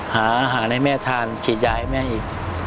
หาอาหารให้แม่ทานฉีดยาให้แม่อีก